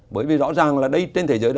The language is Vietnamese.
bởi vì rõ ràng là đây trên thế giới